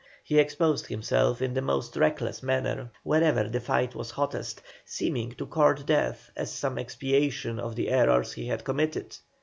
He exposed himself in the most reckless manner wherever the fight was hottest, seeming to court death as some expiation of the errors he had committed.